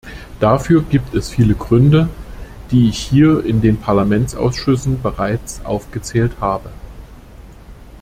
Dafür gibt es viele Gründe, die ich hier in den Parlamentsausschüssen bereits aufgezählt habe.